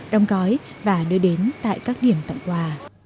đong gói và đưa đến tại các điểm tặng quà